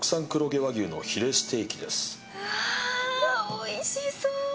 うわおいしそう！